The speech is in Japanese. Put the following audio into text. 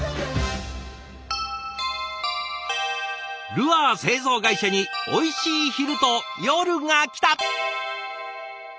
ルアー製造会社においしい昼と夜がきた。